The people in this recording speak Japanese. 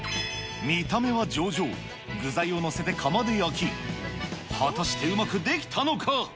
見た目は上々、具材を載せて窯で焼き、果たして、うまく出来たのか。